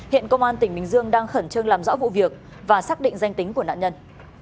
hiện công an tỉnh bình dương đang khẩn trương làm rõ vụ việc và xác định danh tính của nạn nhân